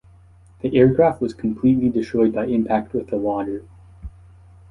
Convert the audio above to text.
The aircraft was completely destroyed by impact with the water.